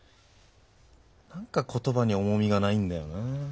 何か言葉に重みがないんだよな。